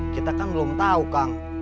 kita kan belum tahu kang